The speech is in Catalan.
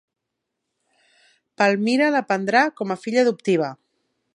Palmira la prendrà com a filla adoptiva.